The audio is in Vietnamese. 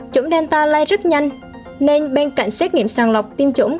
chủng delta lây rất nhanh nên bên cạnh xét nghiệm sàng lọc tiêm chủng